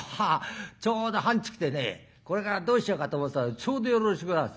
「ちょうどはんちくでねこれからどうしようかと思ってたらちょうどよろしゅうございます。